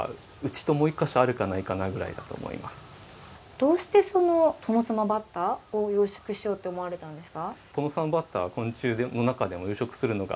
どうしてトノサマバッタを養殖しようと思われたんですか？